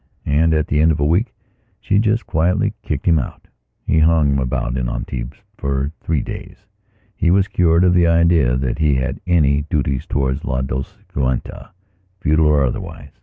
And, at the end of a week, she just quietly kicked him out. He hung about in Antibes for three days. He was cured of the idea that he had any duties towards La Dolciquitafeudal or otherwise.